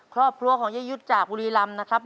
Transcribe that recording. ครอบครัวของเย้ยุทธ์จากบุรีรำนะครับ